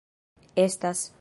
estas